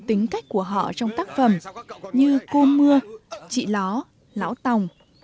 tính cách của họ trong tác phẩm như cô mưa chị ló lão tòng